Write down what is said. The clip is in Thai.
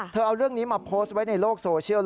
เอาเรื่องนี้มาโพสต์ไว้ในโลกโซเชียล